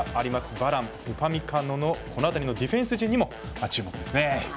バラン、ウパミカノのこのあたりのディフェンス陣にも注目ですね。